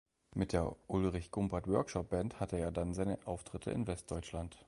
Mit der "Ulrich Gumpert Workshop Band" hatte er dann seine Auftritte in Westdeutschland.